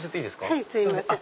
はいすいません。